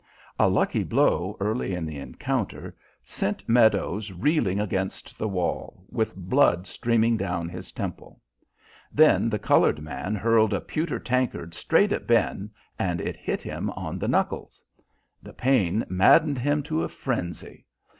A lucky blow early in the encounter sent Meadows reeling against the wall, with blood streaming down his temple. Then the coloured man hurled a pewter tankard straight at Ben and it hit him on the knuckles. The pain maddened him to a frenzy.